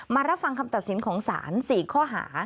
รับฟังคำตัดสินของศาล๔ข้อหา